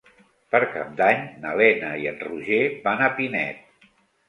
Per Cap d'Any na Lena i en Roger van a Pinet.